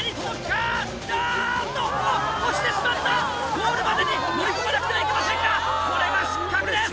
ゴールまでに乗り込まなくてはいけませんがこれは失格です！